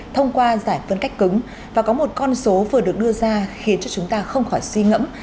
thông qua giải phân cách cứng và có một con số vừa được đưa ra khiến cho chúng ta không khỏi suy ngẫm